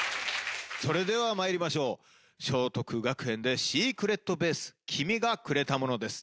それではまいりましょう聖徳学園で「ｓｅｃｒｅｔｂａｓｅ君がくれたもの」です